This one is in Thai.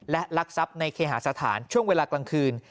และลักทรัพย์ในเคหาสถานช่วงเวลากลางคืน